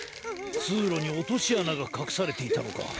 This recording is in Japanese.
つうろにおとしあながかくされていたのか。